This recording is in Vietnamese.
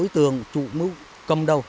các đối tượng chủ mưu cầm đầu